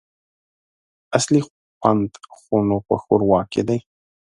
اصلي خوند خو نو په ښوروا کي دی !